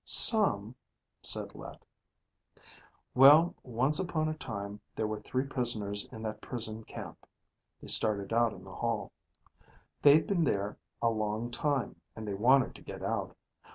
"Some," said Let. "Well, once upon a time, there were three prisoners in that prison camp." They started out in the hall. "They'd been there a long time, and they wanted to get out.